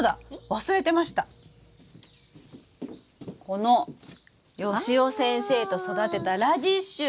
このよしお先生と育てたラディッシュ！